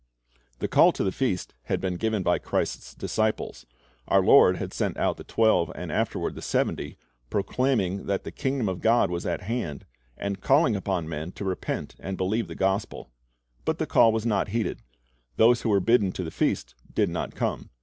The call to the feast had been given by Christ's disciples. Our Lord had sent out tiie twelve and afterward the seventy, proclaiming that the kingdom of God was at hand, and calling upon men to repent and believe the gospel. But the call was not heeded. Those who were bidden to the feast did not come.